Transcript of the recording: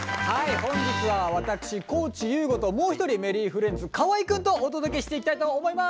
本日は私地優吾ともう一人Ｍｅｒｒｙｆｒｉｅｎｄｓ河合くんとお届けしていきたいと思います。